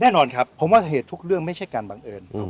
แน่นอนครับผมว่าเหตุทุกเรื่องไม่ใช่การบังเอิญ